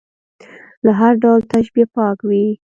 له هر ډول تشبیه پاک وي.